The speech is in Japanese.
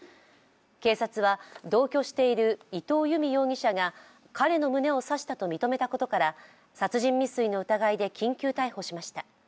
警察は同居している伊藤由美容疑者が彼の胸を刺したと認めたことから殺人未遂の疑いで緊急逮捕しました。